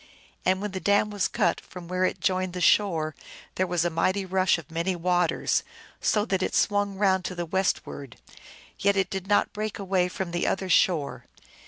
And when the dam was cut from where it joined the shore there was a mighty rush of many waters, so that it swung round to the westward, yet it did not break away from the other shore.